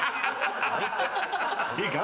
いいか？